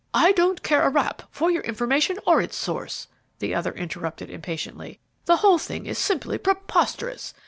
"I don't care a rap for your information or its source," the other interrupted, impatiently. "The whole thing is simply preposterous.